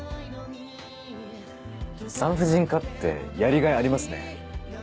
産婦人科ってやりがいありますね。